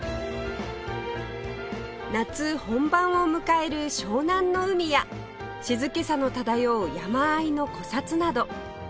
夏本番を迎える湘南の海や静けさの漂う山あいの古刹など